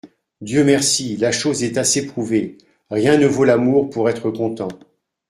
Dieu merci, la chose est assez prouvée : Rien ne vaut l'amour pour être content.